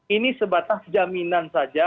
ini sebatas jaminan saja